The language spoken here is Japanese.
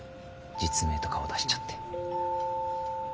実名と顔出しちゃって。